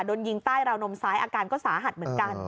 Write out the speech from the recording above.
โดนยิงใต้ราวนมซ้ายอาการก็สาหัสเหมือนกัน